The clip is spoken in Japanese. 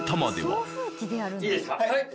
はい。